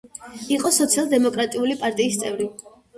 იყო სოციალ-დემოკრატიული პარტიის წევრი.